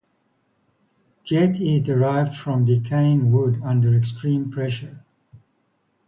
Jet is derived from decaying wood under extreme pressure.